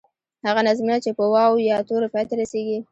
هغه نظمونه چې په واو، یا تورو پای ته رسیږي.